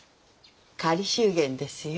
仮祝言ですよ。